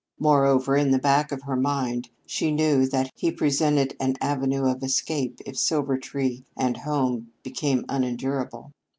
Moreover, in the back of her mind she knew that he presented an avenue of escape if Silvertree and home became unendurable.